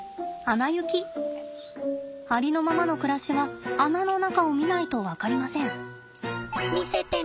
ありのままの暮らしは穴の中を見ないと分かりません。